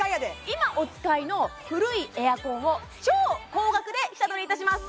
今お使いの古いエアコンを超高額で下取りいたします